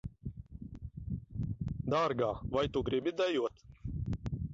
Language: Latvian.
Dārgā, vai tu gribi dejot?